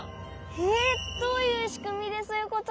えっどういうしくみでそういうことが？